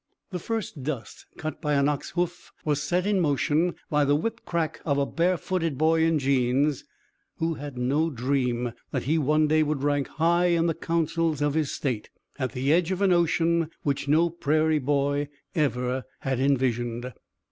The first dust cut by an ox hoof was set in motion by the whip crack of a barefooted boy in jeans who had no dream that he one day would rank high in the councils of his state, at the edge of an ocean which no prairie boy ever had envisioned.